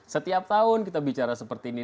setiap tahun kita bicara seperti ini